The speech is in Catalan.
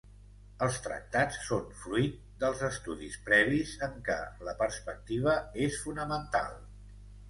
Els tractats són fruit dels estudis previs en què la perspectiva és fonamental.